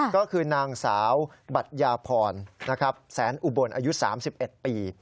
ก็คือนางสาวบัตยาพรแสนอุบลอายุ๓๑ปี